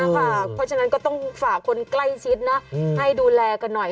เพราะฉะนั้นก็ต้องฝากคนใกล้ชิดให้ดูแลกันหน่อย